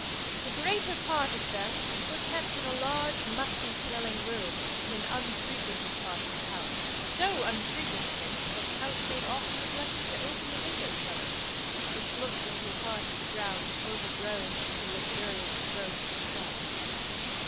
The greater part of them were kept in a large, musty smelling room, in an unfrequented part of the house; so unfrequented that the housemaid often neglected to open the window shutters, which looked into a part of the grounds over grown with the luxuriant growth of shrubs.